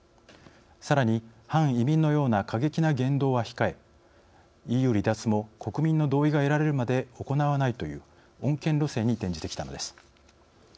さらに、反移民のような過激な言動は控えＥＵ離脱も国民の同意が得られるまで行わないという穏健路線に転じてきたのです。